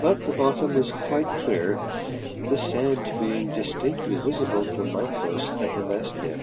But the bottom was quite clear, the sand being distinctly visible from my post at the mast head.